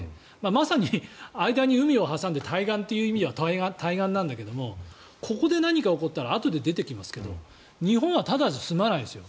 まさに間に海を挟んで対岸という意味では対岸なんだけどここで何か起こったらあとで出てきますけど日本はただじゃ済まないですよ。